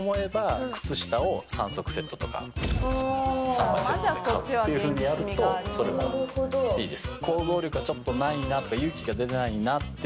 ３枚セットで買うっていうふうにやるとそれもいいです。